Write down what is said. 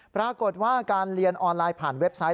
ปรากฏว่าการเรียนออนไลน์ผ่านเว็บไซต์